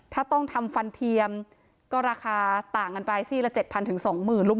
ถ้าต้องทำฟันเทียมก็ราคาต่างกันไปซี่ละ๗๐๐๒๐๐ลูก